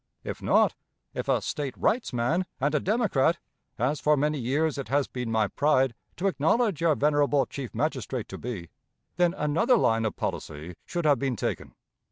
If not, if a State rights man and a Democrat as for many years it has been my pride to acknowledge our venerable Chief Magistrate to be then another line of policy should have been taken.